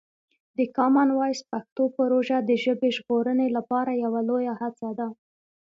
د کامن وایس پښتو پروژه د ژبې ژغورنې لپاره یوه لویه هڅه ده.